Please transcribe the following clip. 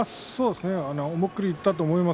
思い切りいったと思います。